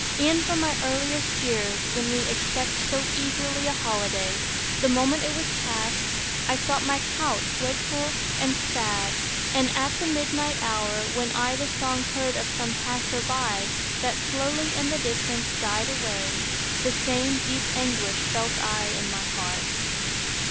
E'en from my earliest years, when we Expect so eagerly a holiday, The moment it was past, I sought my couch, Wakeful and sad; and at the midnight hour, When I the song heard of some passer by, That slowly in the distance died away, The same deep anguish felt I in my heart.